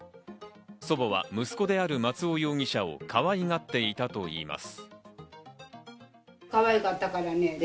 祖母は息子である松尾容疑者をかわいがっていたといいます。